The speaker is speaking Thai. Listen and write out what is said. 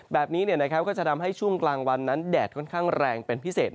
แบบนี้ก็จะทำให้ช่วงกลางวันนั้นแดดค่อนข้างแรงเป็นพิเศษ